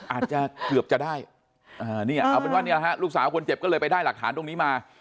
อาจจะเกือบจะได้นี่เอาเป็นว่านี่แหละฮะลูกสาวคนเจ็บก็เลยไปได้หลักฐานตรงนี้มา